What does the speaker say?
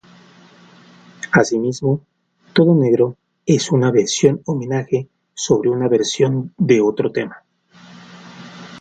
Asimismo, "Todo negro" es una versión-homenaje sobre una versión de otro tema.